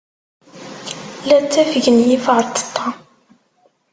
La ttafgen yiferṭeṭṭa.